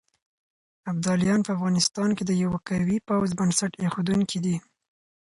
ابداليان په افغانستان کې د يوه قوي پوځ بنسټ اېښودونکي دي.